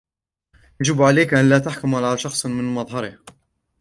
يجب عليكَ أن لا تحكم علىَ شخص من مظهرهُ.